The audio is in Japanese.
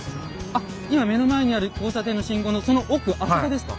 あっ今目の前にある交差点の信号のその奥あそこですか？